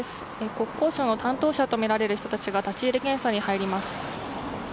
国交省の担当者とみられる人たちが立ち入り検査に入ります。